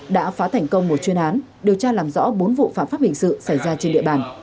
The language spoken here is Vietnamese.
đã phá thành công một chuyên án điều tra làm rõ bốn vụ phạm pháp hình sự xảy ra trên địa bàn